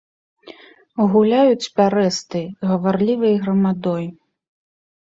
Гуляюць пярэстай, гаварлівай грамадой.